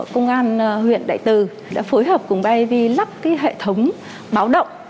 công an huyện đại tư đã phối hợp cùng bidv lắp hệ thống báo động